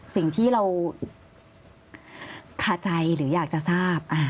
สิ่งที่เราคาใจหรืออยากจะทราบ